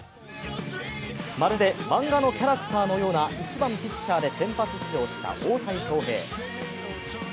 まるでマンガのキャラクターのような１番ピッチャーで先発出場した大谷翔平。